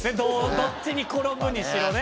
どっちに転ぶにしろね。